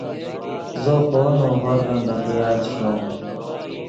زو خوو نؤ ہورغن دے خیال چے ݰوم